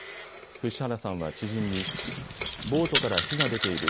伏原さんは、知人にボートから火が出ている。